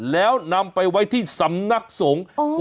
แล้วนำไปไว้ที่สำนักสงฆ์